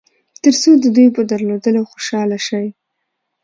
تر څو د دوی په درلودلو خوشاله شئ.